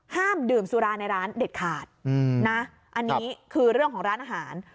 ห้ามดื่มสุราในร้านเด็ดขาดนะอันนี้คือเรื่องของร้านอาหาร